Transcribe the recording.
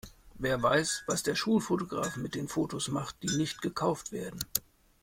Wer weiß, was der Schulfotograf mit den Fotos macht, die nicht gekauft werden?